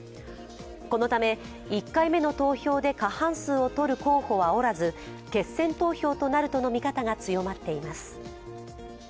このため１回目の投票で過半数を取る候補はおらず決選投票となるとの見方が強まっています。